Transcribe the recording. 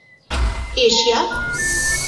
Asia